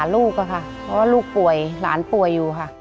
ลูกป่วยหลานป่วยอยู่ค่ะ